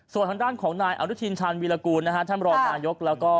ส่วนทางด้านของนายอนุทินชาญวีรกูลนะฮะท่านรองนายกแล้วก็